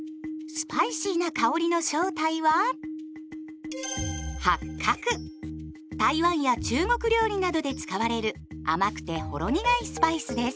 スパイシーな香りの正体は台湾や中国料理などで使われる甘くてほろ苦いスパイスです。